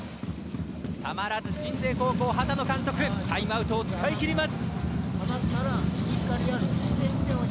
たまらず鎮西高校畑野監督タイムアウトを使い切ります。